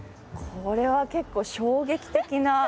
これは結構衝撃的な。